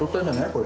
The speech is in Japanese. これ。